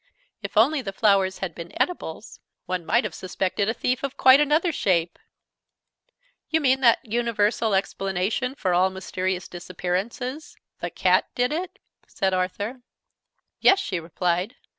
If only the flowers had been eatables, one might have suspected a thief of quite another shape " "You mean that universal explanation for all mysterious disappearances, 'the cat did it'?" said Arthur. "Yes," she replied.